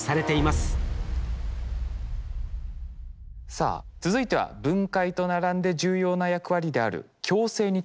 さあ続いては分解と並んで重要な役割である共生についてです。